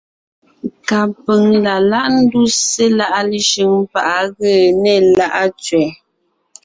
Kapʉ̀ŋ la láʼ ńduse láʼa Leshʉŋ pá ʼ á gee né Láʼa tsẅɛ.